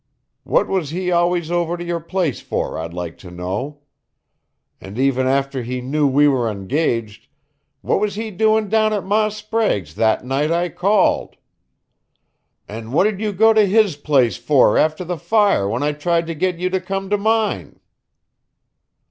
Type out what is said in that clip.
What was he always over to your place for, I'd like to know? And, even after he knew we were engaged, what was he doin' down at Ma Sprague's that night I called? An' what did you go to his place for after the fire when I tried to get you to come to mine?"